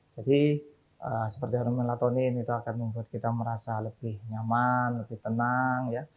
jadi seperti hormon melatonin itu akan membuat kita merasa lebih nyaman lebih tenang ya